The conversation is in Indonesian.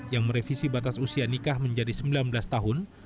yang merevisi batas usia nikah menjadi sembilan belas tahun